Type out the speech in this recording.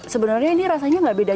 sebenarnya ini rasanya nggak beda